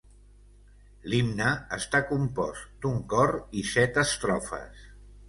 L'himne està compost d'un cor i set estrofes.